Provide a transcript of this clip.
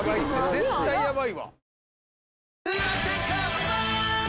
絶対ヤバいわ。